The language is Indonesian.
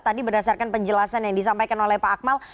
tadi berdasarkan penjelasan yang disampaikan oleh pak akmal